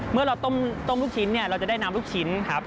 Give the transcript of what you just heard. เมื่อเราต้มลูกชิ้นเนี่ยเราจะได้น้ำลูกชิ้นครับ